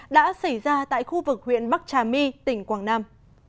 đã xảy ra tại khu vực huyện bắc trà my tỉnh quảng nam